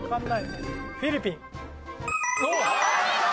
お見事！